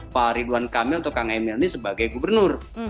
pak ridwan kamil atau kang emil ini sebagai gubernur